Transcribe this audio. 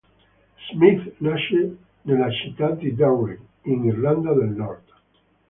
Smyth nasce nella città di Derry, in Irlanda del Nord.